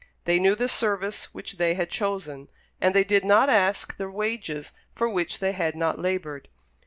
They knew the service which they had chosen, and they did not ask the wages for which they had not laboured.